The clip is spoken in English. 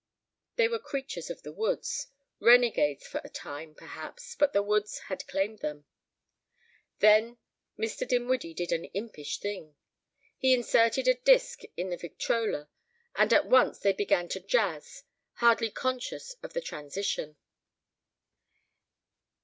They were creatures of the woods, renegades for a time, perhaps, but the woods had claimed them. Then Mr. Dinwiddie did an impish thing. He inserted a disk in the victrola, and at once they began to jazz, hardly conscious of the transition.